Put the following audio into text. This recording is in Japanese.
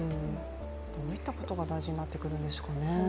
どういったことが大事になってくるんですかね？